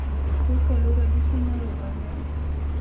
څو کالو راهیسې ناروغه دی.